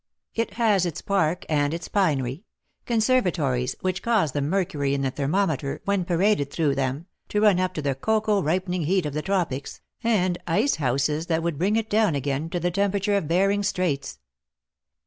It has its park and its pinery ; conservatories, which cause the mercury in the thermometer, when paraded through them, to run up to the cocoa ripening heat of the tropics, and ice houses that would bring it down again to the temperature of Bhering's Straits.